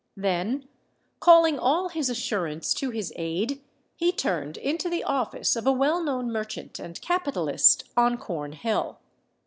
Then, calling all his assurance to his aid, he turned into the office of a well known merchant and capitalist on Cornhill.